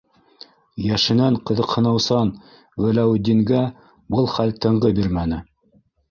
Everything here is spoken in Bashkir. Йәшенән ҡыҙыҡһыныусан Вәләүетдингә был хәл тынғы бирмәне.